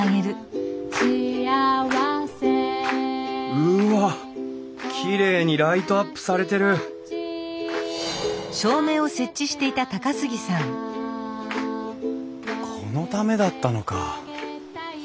うわっきれいにライトアップされてるこのためだったのか。